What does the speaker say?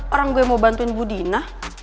orang gue yang mau bantuin bu dina